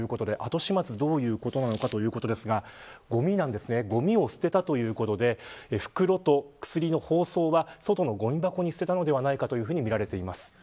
後始末がどういうことなのかというとごみを捨てたということで袋と薬の包装は、外のごみ箱に捨てたのではないかとみられています。